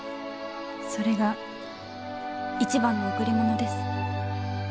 それが一番の贈り物です。